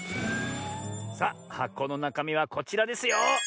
さあはこのなかみはこちらですよ！